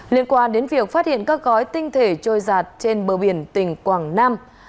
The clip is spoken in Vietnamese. liên quan đến việc phát hiện các gói tinh thể trôi giạt trên bờ biển tỉnh quảng nam